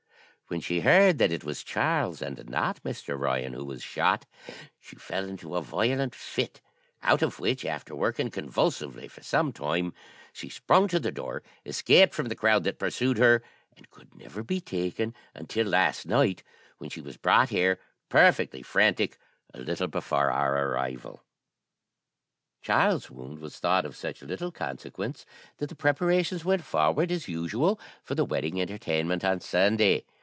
When she heard that it was Charles, and not Mr. Ryan, who was shot, she fell into a violent fit, out of which, after working convulsively for some time, she sprung to the door, escaped from the crowd that pursued her, and could never be taken until last night, when she was brought here, perfectly frantic, a little before our arrival. "Charles's wound was thought of such little consequence that the preparations went forward, as usual, for the wedding entertainment on Sunday.